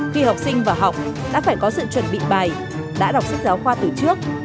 khi học sinh vào học đã phải có sự chuẩn bị bài đã đọc sách giáo khoa từ trước